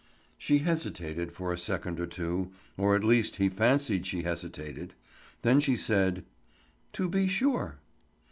She hesitated for a second or two, or at least he fancied she hesitated; then she said: "To be sure."